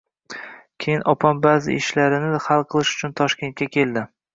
Keyin opam ba`zi ishlarini hal qilish uchun Toshkentga keldi